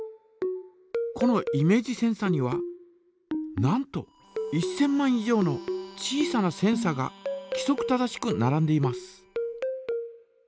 このイメージセンサにはなんと１，０００万以上の小さなセンサがきそく正しくならんでいます。